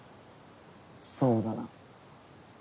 そうだな。